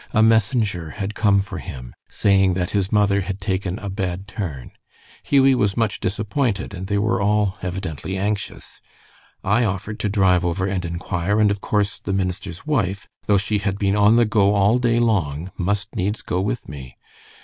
A messenger had come for him, saying that his mother had taken a bad turn. Hughie was much disappointed, and they were all evidently anxious. I offered to drive over and inquire, and of course the minister's wife, though she had been on the go all day long, must needs go with me.